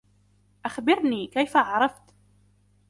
أخبرني, كيف عرفتَ؟